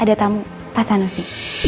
ada tamu pak sanusi